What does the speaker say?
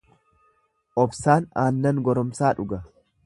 Obsaan aannan goromsaa dhuga.